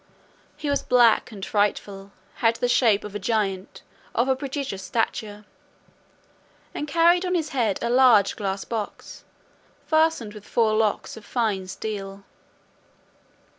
He was black and frightful, had the shape of a giant, of a prodigious stature, and carried on his head a large glass box, fastened with four locks of fine steel.